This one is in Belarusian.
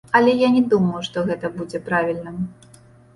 Але я не думаю, што гэта будзе правільна.